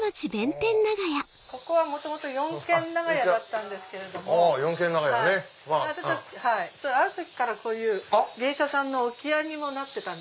ここは元々四軒長屋だったんですけどもある時からこういう芸者さんの置屋にもなってた。